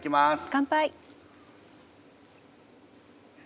乾杯。